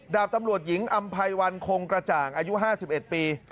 ดาบตำรวจหญิงอำพัยวันคงกระจ่างอายุห้าสิบเอ็ดปี